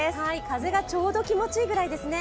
風がちょうど気持ちいいぐらいですね。